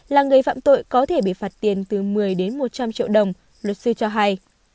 là người phạm tội có thể bị phạt tiền từ một mươi đến một trăm linh triệu đồng luật sư cho hay